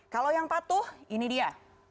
kalau yang patuh ini dia